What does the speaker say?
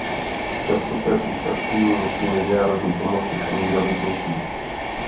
Často se účastní misí mezinárodní pomoci a mírových misí.